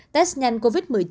test nhanh covid một mươi chín